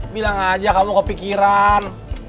bilang aja kamu kepikiran